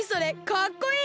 かっこいい！